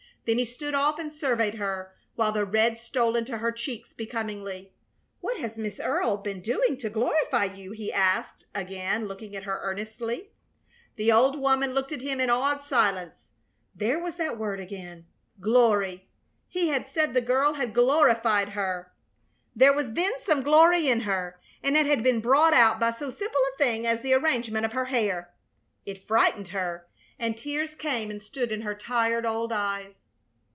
Then he stood off and surveyed her, while the red stole into her cheeks becomingly. "What has Miss Earle been doing to glorify you?" he asked, again looking at her earnestly. The old woman looked at him in awed silence. There was that word again glory! He had said the girl had glorified her. There was then some glory in her, and it had been brought out by so simple a thing as the arrangement of her hair. It frightened her, and tears came and stood in her tired old eyes.